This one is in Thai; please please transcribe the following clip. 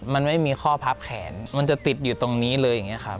มันไม่มีข้อพับแขนมันจะติดอยู่ตรงนี้เลยอย่างนี้ครับ